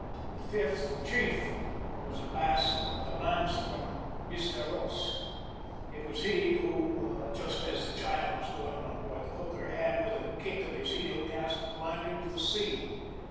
The fifth, the chief, was a Basque of the Landes from Biscarrosse. It was he who, just as the child was going on board the hooker, had, with a kick of his heel, cast the plank into the sea.